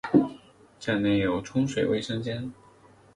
站内有冲水卫生间。